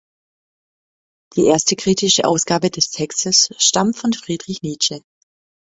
Die erste kritische Ausgabe des Textes stammt von Friedrich Nietzsche.